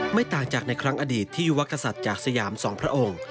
ไม่ต่างจากในครั้งอดีตที่ยุวกษัตริย์จากสยามสองพระองค์